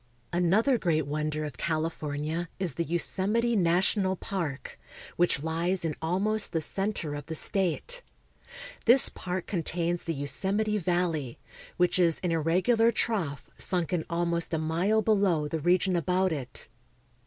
/^^A.nother great wonder of California is the Yosemite ' National Park, which lies in almost the center of the state. This park contains the Yosemite Valley, which is an ir regular .trough sunken almost a mile below the region about it.